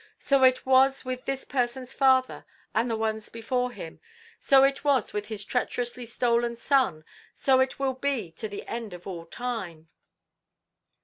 So it was with this person's father and the ones before him; so it was with his treacherously stolen son; so it will be to the end of all time."